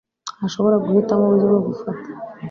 ntashobora guhitamo uburyo bwo gufata